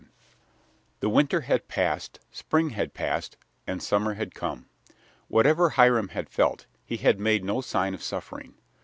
XI The winter had passed, spring had passed, and summer had come. Whatever Hiram had felt, he had made no sign of suffering.